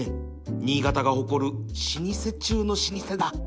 新潟が誇る老舗中の老舗だ